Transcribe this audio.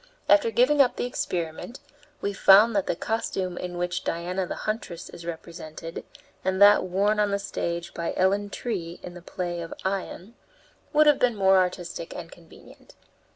After giving up the experiment, we found that the costume in which Diana the Huntress is represented, and that worn on the stage by Ellen Tree in the play of "Ion," would have been more artistic and convenient.